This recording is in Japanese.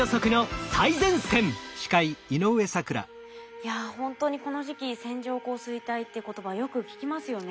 いやほんとにこの時期線状降水帯って言葉よく聞きますよね。